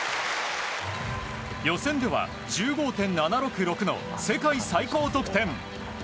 予選では１５．７６６の世界最高得点。